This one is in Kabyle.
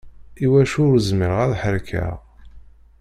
Iwacu ur zmireɣ ad ḥerrkeɣ?